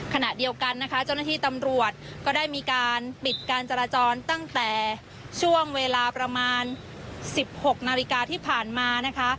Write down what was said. ขณะเดียวกันนะคะเจ้าหน้าที่ตำรวจก็ได้มีการปิดการจราจรตั้งแต่ช่วงเวลาประมาณ๑๖นาฬิกาที่ผ่านมานะคะ